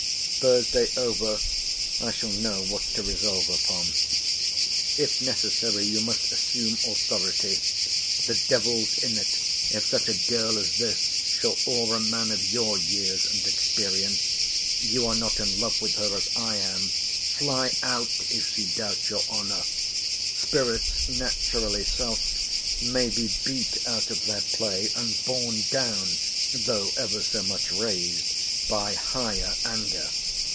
Thursday over, I shall know what to resolve upon. If necessary, you must assume authority. The devil's in't, if such a girl as this shall awe a man of your years and experience. You are not in love with her as I am. Fly out, if she doubt your honour. Spirits naturally soft may be beat out of their play and borne down (though ever so much raised) by higher anger.